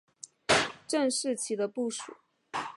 郑士琦的部属。